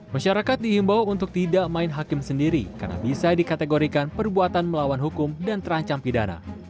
masyarakat diimbau untuk tidak main hakim sendiri karena bisa dikategorikan perbuatan melawan hukum dan terancam pidana